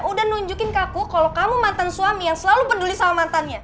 udah nunjukin ke aku kalau kamu mantan suami yang selalu peduli sama mantannya